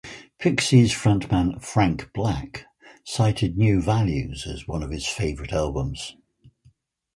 Pixies frontman Frank Black cited "New Values" as one of his favorite albums.